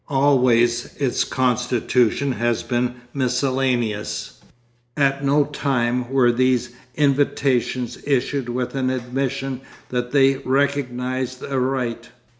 Always its constitution has been miscellaneous. At no time were these invitations issued with an admission that they recognised a right.